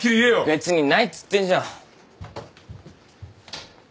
別にないっつってんじゃん。